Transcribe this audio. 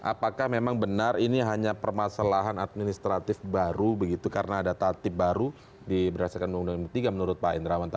apakah memang benar ini hanya permasalahan administratif baru begitu karena ada tatib baru di dalam